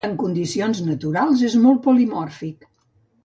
En condicions naturals és molt polimòrfic.